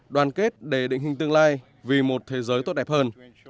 đoàn kết để định hình tương lai vì một thế giới tốt đẹp hơn